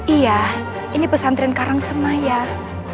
iya ini pesantren karang senayan